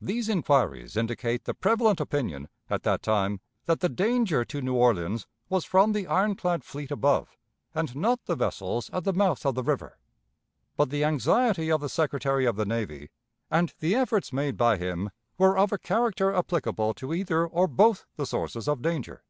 These inquiries indicate the prevalent opinion, at that time, that the danger to New Orleans was from the ironclad fleet above, and not the vessels at the mouth of the river; but the anxiety of the Secretary of the Navy and the efforts made by him were of a character applicable to either or both the sources of danger.